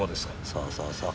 そうそうそう。